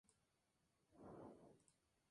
Ese campeón... soy yo.